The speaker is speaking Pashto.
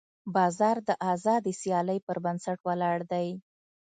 بازار د ازادې سیالۍ پر بنسټ ولاړ دی.